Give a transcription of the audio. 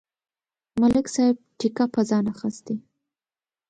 ملک صاحب ټېکه په ځان اخستې.